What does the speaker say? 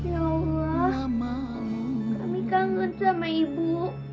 ya allah mau kami kangen sama ibu